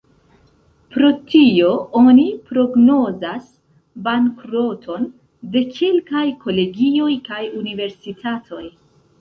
Pro tio oni prognozas bankroton de kelkaj kolegioj kaj universitatoj.